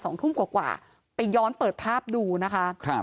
โสงทุ่มกว่าไปย้อนเปิดภาพดูนะค่ะ